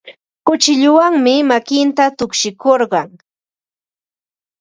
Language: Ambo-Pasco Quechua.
Kuchilluwanmi makinta tukshikurqun.